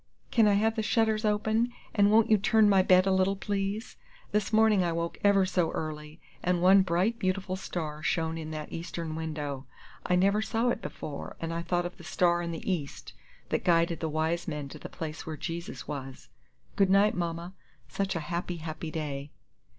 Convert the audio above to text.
"Can I have the shutters open; and won't you turn my bed a little, please? This morning I woke ever so early, and one bright beautiful star shone in that eastern window. I never saw it before, and I thought of the Star in the East, that guided the wise men to the place where Jesus was. Good night, Mama. Such a happy, happy day!"